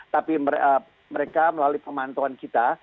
tapi mereka melalui pemantauan kita